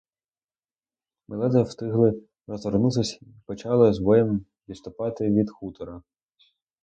Ми ледве встигли розвернутись і почали з боєм відступати від хутора.